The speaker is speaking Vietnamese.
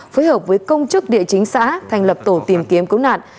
phối hợp với công chức địa chính xã thành lập tổ tìm kiếm cứu nạn